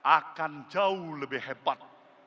akan jauh lebih hebat